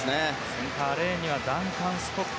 センターレーンにはダンカン・スコット。